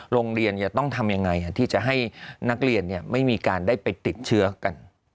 โรงเรียนจะต้องทำยังไงที่จะให้นักเรียนไม่มีการได้ไปติดเชื้อกัน